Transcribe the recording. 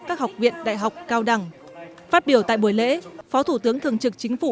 các học viện đại học cao đẳng phát biểu tại buổi lễ phó thủ tướng thường trực chính phủ